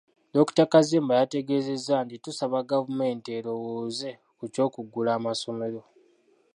Dr. Kazimba yategeezezza nti, tusaba gavumenti erowooze ku ky’okuggula amasomero.